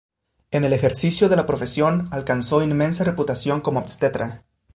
En el ejercicio de la profesión alcanzó inmensa reputación como obstetra.